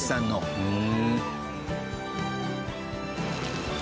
うん。